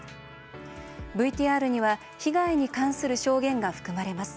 ＶＴＲには被害に関する証言が含まれます。